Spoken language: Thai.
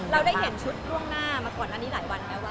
เราได้เห็นชุดล่วงหน้ามาก่อนอันนี้หลายวันแล้วว